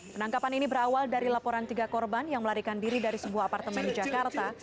penangkapan ini berawal dari laporan tiga korban yang melarikan diri dari sebuah apartemen di jakarta